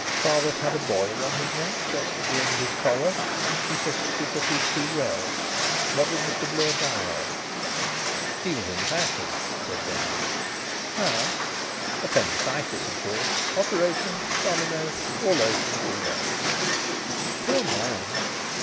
Father's had a boil on his neck, just at the edge of his collar. He says it's because he's too well. What did Mr Bloor die off?" "He was in the fashion," said Denry. "How?" "Appendicitis, of course. Operation domino! All over in three days." "Poor man!"